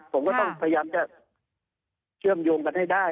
ผมก็ต้องพยายามจะเชื่อมโยงกันให้ได้